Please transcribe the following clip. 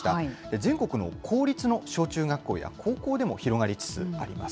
全国の公立の小中学校や高校でも広がりつつあります。